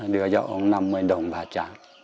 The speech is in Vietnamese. đưa cho ông năm mươi đồng bạc trang